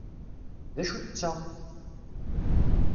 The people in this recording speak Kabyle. D acu tetteɣ?